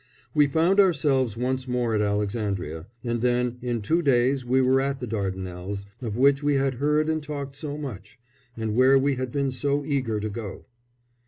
We found ourselves once more at Alexandria; and then, in two days we were at the Dardanelles, of which we had heard and talked so much, and where we had been so eager to go.